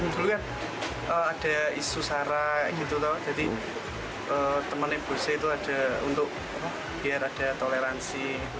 dulu kan ada isu sara gitu tau jadi teman teman saya itu ada untuk biar ada toleransi